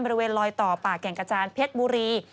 บริเวณลอยต่อป่าแก่งกระจานเพชรบุรี